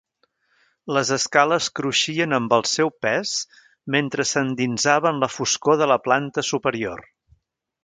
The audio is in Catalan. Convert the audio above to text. Les escales cruixien amb el seu pes mentre s'endinsava en la foscor de la planta superior.